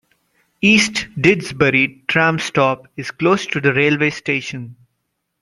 East Didsbury tram stop is close to the railway station.